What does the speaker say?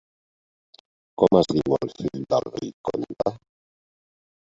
Com es diu el fill del vell comte?